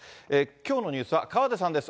きょうのニュースは河出さんです。